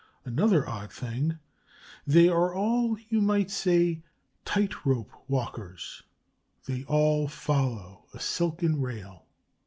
Another odd thing: they are all, you might say, tight rope walkers; they all follow a silken rail.